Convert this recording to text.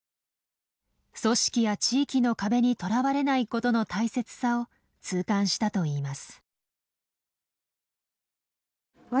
組織や地域の壁にとらわれないことの大切さを痛感したといいます。